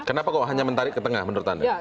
kenapa kok hanya menarik ke tengah menurut anda